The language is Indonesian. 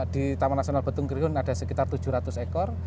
di taman nasional betung kriun ada sekitar tujuh ratus ekor